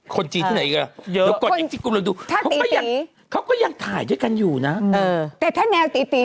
คนจีนมากยังไง